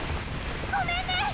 ごめんね